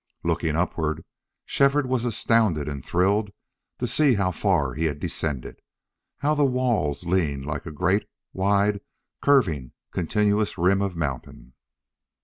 Looking upward, Shefford was astounded and thrilled to see how far he had descended, how the walls leaned like a great, wide, curving, continuous rim of mountain.